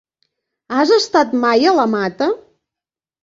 Has estat mai a la Mata?